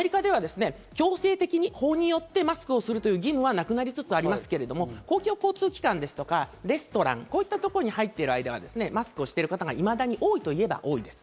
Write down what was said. アメリカでは強制的に法によってマスクをするという義務はなくなりつつありますけど、公共交通機関ですとか、レストランに入っている間は、マスクをしている方がいまだに多いといえば多いです。